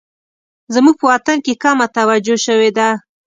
زموږ په وطن کې کمه توجه شوې ده